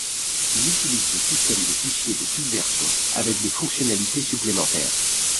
Il utilise le système de fichiers de Subversion avec des fonctionnalités supplémentaires.